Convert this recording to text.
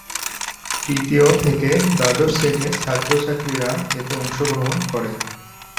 তৃতীয় থেকে দ্বাদশ শ্রেণীর ছাত্র-ছাত্রীরা এতে অংশগ্রহণ করে।